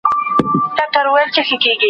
که ئې د ځيني شپو لپاره رجوع وکړه.